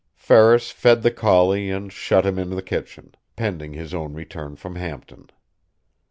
Ferris fed the collie and shut him into the kitchen, pending his own return from Hampton.